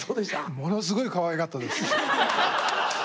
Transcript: ものすごいかわいかったです。